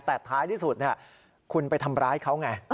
แต่ท้ายที่สุดคุณไปทำร้ายเขาไง